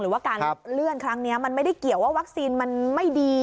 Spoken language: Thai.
ว่าการเลื่อนครั้งนี้มันไม่ได้เกี่ยวว่าวัคซีนมันไม่ดี